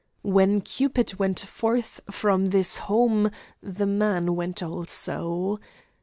When Cupid went forth from this home the man went also.